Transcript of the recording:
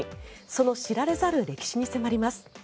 その知られざる歴史に迫ります。